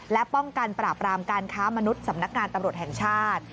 และป้องกันปราบรามการค้ามนุษย์สำนักงานตำรวจแห่งชาติ